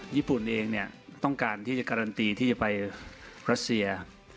ญี่ปุ่นเองต้องการที่จะการันตีที่จะไปรัสเซีย